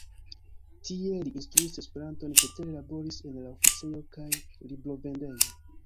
Tie li instruis Esperanton, cetere laboris en la oficejo kaj librovendejo.